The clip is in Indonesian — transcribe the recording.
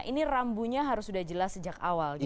ini rambunya harus sudah jelas sejak awal gitu